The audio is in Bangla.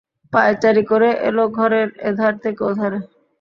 পায়চারি করে এল ঘরের এধার থেকে ওধারে।